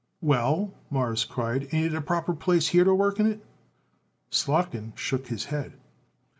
"Well," Morris cried, "ain't it a proper place here to work in it?" Slotkin shook his head.